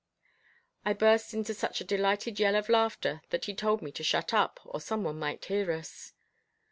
I burst into such a delighted yell of laughter that he told me to shut up, or some one might hear us.